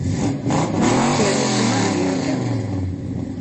Men vad ser mitt emaljöga?